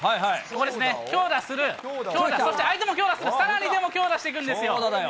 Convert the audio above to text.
ここですね、強打する、強打、そして相手も強打する、さらに、でも強打していくんですよ！